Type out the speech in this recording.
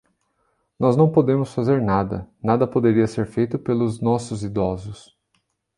Nós não podemos fazer nada, nada poderia ser feito pelos nossos idosos.